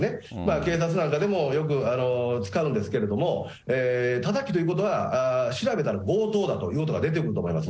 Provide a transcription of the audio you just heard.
警察なんかでもよく使うんですけれども、タタキということは、調べたら強盗団ということばが出てくると思います。